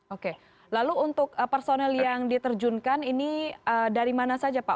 oke lalu untuk personel yang diterjunkan ini dari mana saja pak